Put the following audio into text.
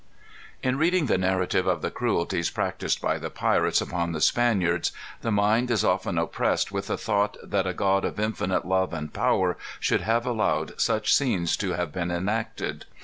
In reading the narrative of the cruelties practised by the pirates upon the Spaniards, the mind is often oppressed with the thought that a God of infinite love and power should have allowed such scenes to have been enacted.